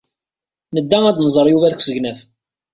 Nedda ad d-nẓer Yuba deg usegnaf.